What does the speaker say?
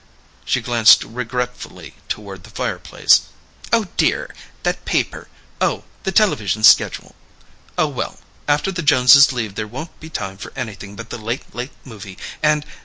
She glanced regretfully toward the fireplace. "Oh dear, that paper, the television schedule ... oh well, after the Jones leave there won't be time for anything but the late late movie and....